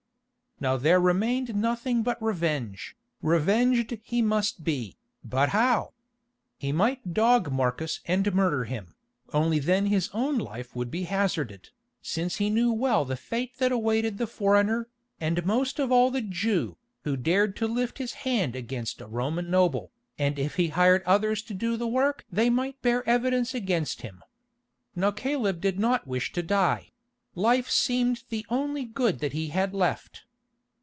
Now there remained nothing but revenge. Revenged he must be, but how? He might dog Marcus and murder him, only then his own life would be hazarded, since he knew well the fate that awaited the foreigner, and most of all the Jew, who dared to lift his hand against a Roman noble, and if he hired others to do the work they might bear evidence against him. Now Caleb did not wish to die; life seemed the only good that he had left.